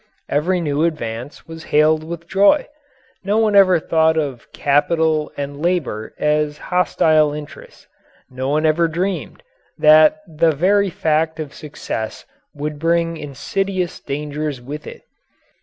Every new advance was hailed with joy. No one ever thought of "capital" and "labour" as hostile interests. No one ever dreamed that the very fact of success would bring insidious dangers with it.